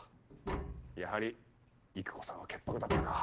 やはり郁子さんは潔白だったか。